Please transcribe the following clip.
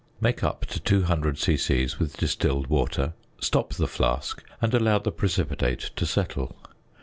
Make up to 200 c.c. with distilled water, stop the flask, and allow the precipitate to settle.